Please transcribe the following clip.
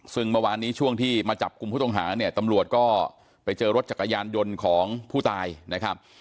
ซึ่งเมื่อวานนี้ช่วงที่มาจับกลุ่มผู้ต้องหาเนี่ยตำรวจก็ไปเจอรถจักรยานยนต์ของผู้ตายนะครับ